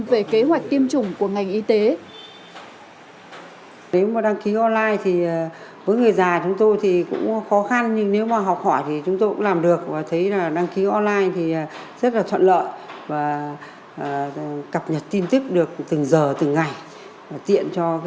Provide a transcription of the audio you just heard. về kế hoạch tiêm chủng của ngành y tế